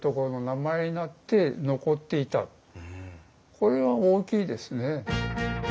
これが大きいですね。